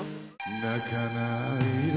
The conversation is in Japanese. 「泣かないで」